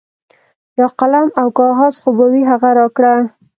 یو قلم او کاغذ خو به وي هغه راکړه.